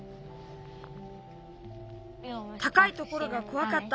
たかいところがこわかった。